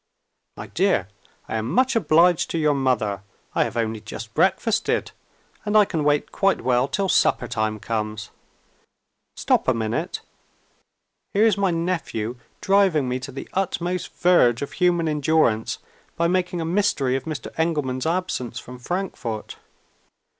"My dear, I am much obliged to your mother. I have only just breakfasted, and I can wait quite well till supper time comes. Stop a minute! Here is my nephew driving me to the utmost verge of human endurance, by making a mystery of Mr. Engelman's absence from Frankfort.